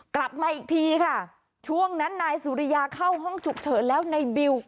กลับมาอีกทีค่ะช่วงนั้นนายสุริยาเข้าห้องฉุกเฉินแล้วในบิว